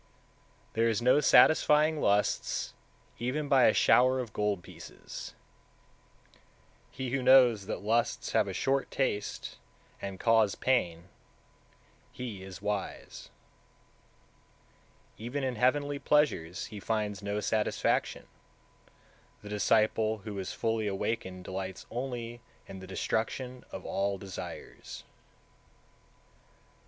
186. There is no satisfying lusts, even by a shower of gold pieces; he who knows that lusts have a short taste and cause pain, he is wise; 187. Even in heavenly pleasures he finds no satisfaction, the disciple who is fully awakened delights only in the destruction of all desires.